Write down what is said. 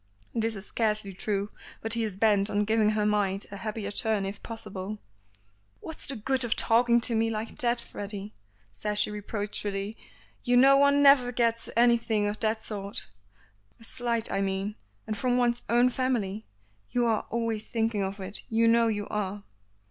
This is scarcely true, but he is bent on giving her mind a happier turn if possible. "What's the good of talking to me like that, Freddy," says she reproachfully. "You know one never forgets anything of that sort. A slight I mean; and from one's own family. You are always thinking of it; you know you are."